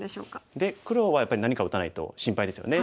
で黒はやっぱり何か打たないと心配ですよね。